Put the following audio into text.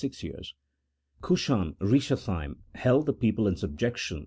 26 Cushan Eishathaim held the people in subjection